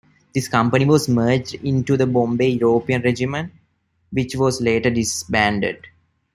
This company was merged into the Bombay European Regiment, which was later disbanded.